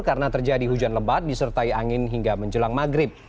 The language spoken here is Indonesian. karena terjadi hujan lebat disertai angin hingga menjelang maghrib